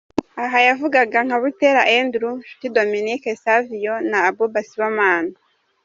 Aha yavugaga nka Buteera Andrew, Nshuti Dominique Savio na Abouba Sibomana.